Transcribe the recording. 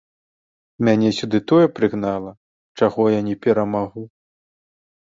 Мяне сюды тое прыгнала, чаго я не перамагу.